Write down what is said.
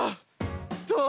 どう？